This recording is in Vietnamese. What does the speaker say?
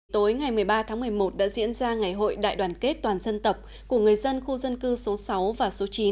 tối ngày một mươi ba tháng một mươi một đã diễn ra ngày hội đại đoàn kết toàn dân tộc của người dân khu dân cư số sáu và số chín